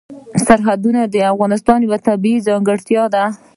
سرحدونه د افغانستان یوه طبیعي ځانګړتیا ده.